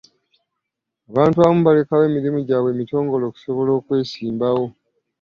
Abantu abamu balekawo emirimu gyabwe emitongole okusobola okwesimbawo.